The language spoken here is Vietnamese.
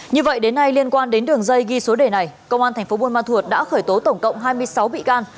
như vậy đến nay liên quan đến đường dây ghi số đề này công an tp bun man thuột đã khởi tố tổng cộng hai mươi sáu bị can